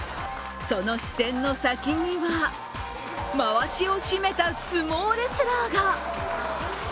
その視線の先にはまわしを締めた相撲レスラーが。